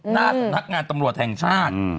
หน้าสำนักงานตำรวจแห่งชาติ